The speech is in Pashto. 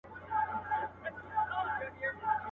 تر احسان لاندي هم ستا هم مو د پلار یم.